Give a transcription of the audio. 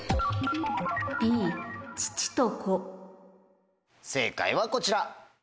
Ｂ父と子正解はこちら。